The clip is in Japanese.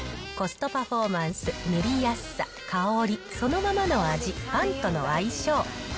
コストパフォーマンス、塗りやすさ、香り、そのままの味、パンとの相性。